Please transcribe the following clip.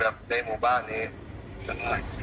อยู่ในวันที่เมื่อครับผม